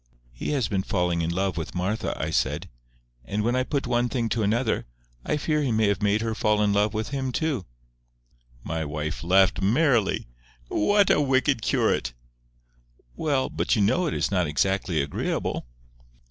"He has been falling in love with Martha," I said; "and when I put one thing to another, I fear he may have made her fall in love with him too." My wife laughed merrily. "Whal a wicked curate!" "Well, but you know it is not exactly agreeable."